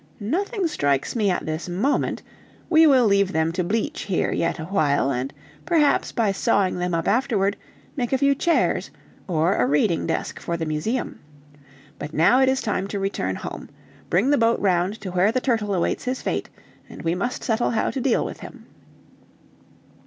"Nothing strikes me at this moment; we will leave them to bleach here yet awhile, and perhaps, by sawing them up afterward, make a few chairs, or a reading desk for the museum. But now it is time to return home. Bring the boat round to where the turtle awaits his fate; we must settle how to deal with him."